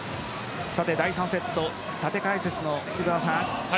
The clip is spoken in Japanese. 第３セット、縦解説の福澤さん。